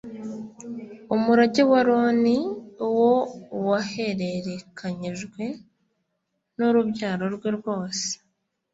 umurage wa Aroni, wo wahererekanyijwe n’urubyaro rwe rwose.